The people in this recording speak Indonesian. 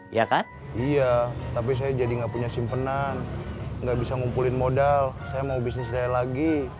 iya kan iya tapi saya jadi nggak punya simpenan nggak bisa ngumpulin modal saya mau bisnis saya lagi